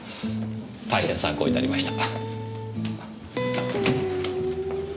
大変参考になりました。